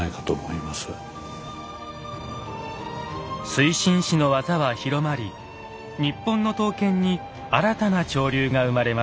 水心子の技は広まり日本の刀剣に新たな潮流が生まれます。